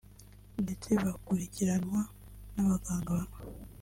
ndetse bakurikiranwa n’abaganga bamwe